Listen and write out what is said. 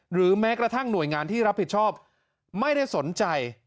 หรือแม้กระทั่งหน่วยงานที่รับผิดชอบไม่ได้สนใจ